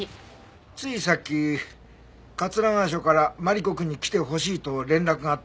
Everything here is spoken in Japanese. ついさっき桂川署からマリコくんに来てほしいと連絡があったんだけど。